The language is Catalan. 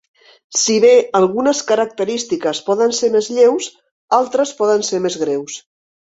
Si bé algunes característiques poden ser més lleus, altres poden ser més greus.